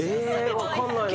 分かんないな。